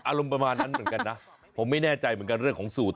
ประมาณนั้นเหมือนกันนะผมไม่แน่ใจเหมือนกันเรื่องของสูตร